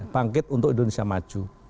bangkit untuk indonesia maju